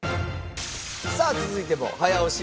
さあ続いても早押し問題です。